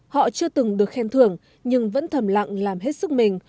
họ chưa từng được khen thưởng nhưng vẫn thầm lặng làm hết sức mình